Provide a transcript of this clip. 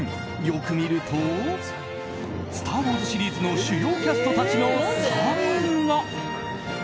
よく見ると「スター・ウォーズ」シリーズの主要キャストたちのサインが。